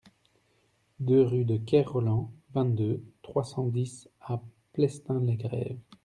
deux rue de Ker Rolland, vingt-deux, trois cent dix à Plestin-les-Grèves